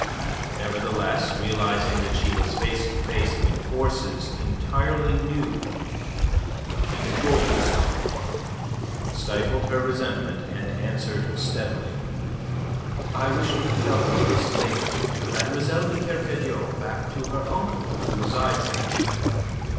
Nevertheless, realizing that she was face to face with forces entirely new, she controlled herself, stifled her resentment, and answered steadily. "I wish to conduct this lady, Mlle. de Kercadiou, back to her uncle who resides there."